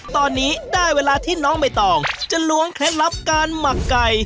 ตอนนี้ได้เวลาที่น้องใบตองจะล้วงเคล็ดลับการหมักไก่